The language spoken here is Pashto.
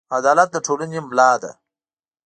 عدالت د ټولنې ملا ده.